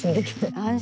安心。